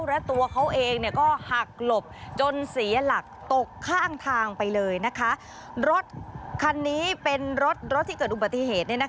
และตัวเขาเองก็หักหลบจนเสียหลักตกข้างทางไปเลยนะคะรถคันนี้เป็นรถรถที่เกิดอุบัติเหตุ